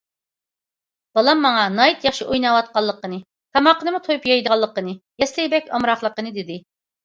بالام ماڭا ناھايىتى ياخشى ئويناۋاتقانلىقىنى، تاماقنىمۇ تويۇپ يەيدىغانلىقىنى، يەسلىگە بەك ئامراقلىقىنى دېدى.